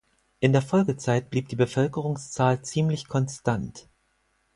In der Folgezeit blieb die Bevölkerungszahl ziemlich konstant.